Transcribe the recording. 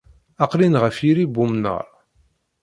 Aqlin ɣef yiri n wemnar